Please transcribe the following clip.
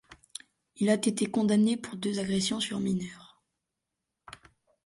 Il a été condamné pour deux agressions sur mineurs.